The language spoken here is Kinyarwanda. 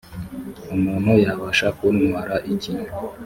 umuntu yabasha kuntwara iki?